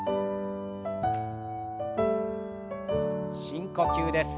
深呼吸です。